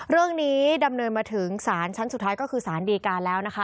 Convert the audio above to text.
เรื่องนี้ดำเนินมาถึงสารชั้นสุดท้ายก็คือสารดีการแล้วนะคะ